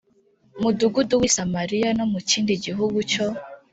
Mudugudu w i samariya no mu kindi gihugu cyo